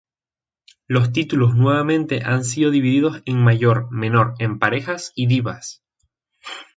Los títulos nuevamente han sido divididos en Mayor, Menor, En Parejas y Divas.